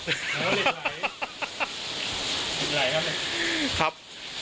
ที่ไหนครับ